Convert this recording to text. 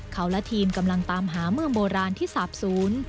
เขาและทีมกำลังตามหาเมืองโบราณที่สาบศูนย์